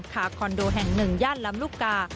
คอนโดแห่ง๑ย่านลำลูกกา